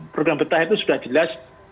program betah itu sudah jelas